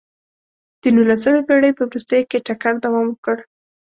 د نولسمې پېړۍ په وروستیو کې ټکر دوام وکړ.